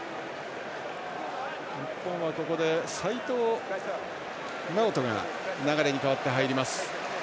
日本はここで齋藤直人が流に代わって入ります。